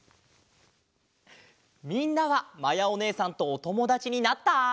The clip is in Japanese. みんなはまやおねえさんとおともだちになった？